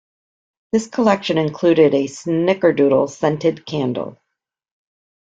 This collection included a Snickerdoodle scented candle.